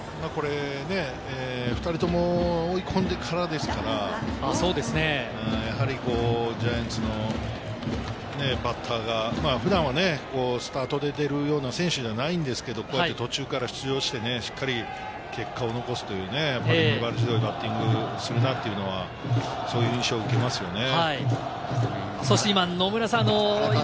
２人とも追い込んでからですから、ジャイアンツのバッターが普段はね、スタートで出るような選手ではないんですけれど、途中から出場して、しっかり結果を残すというね、粘り強いバッティングをしたなというのはそういう印象を受けますね。